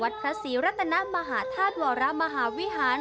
พระศรีรัตนมหาธาตุวรมหาวิหาร